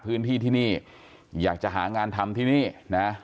พื้นที่ที่นี่อยากจะหางานทำที่นี่นะ